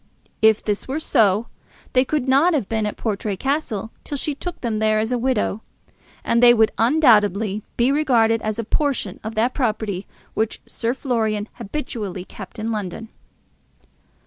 If this were so, they could not have been at Portray Castle till she took them there as a widow, and they would undoubtedly be regarded as a portion of that property which Sir Florian habitually kept in London.